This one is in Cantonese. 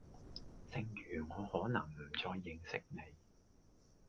正如我可能唔再認識你